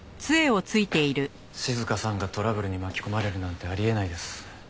静香さんがトラブルに巻き込まれるなんてあり得ないです。